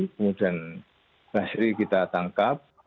kemudian basri kita tangkap